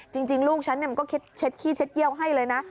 จริงลูกฉันมันก็เช็ดขี้เช็ดเยี่ยวให้เลยนะ